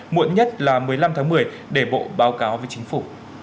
muộn nhất là một mươi năm tháng một mươi để bộ báo cáo với chính phủ